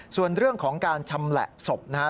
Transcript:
ส่วนเรื่องของการชำแหละศพนะฮะ